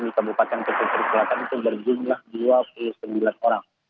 di kabupaten keputus selatan itu berjumlah dua puluh sembilan orang